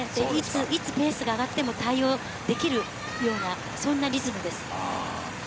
いつペースが上がっても対応できるようなそんなリズムです。